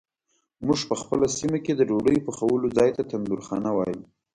مونږ په خپله سیمه کې د ډوډۍ پخولو ځای ته تندورخانه وایو.